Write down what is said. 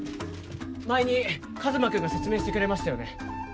前に和真くんが説明してくれましたよね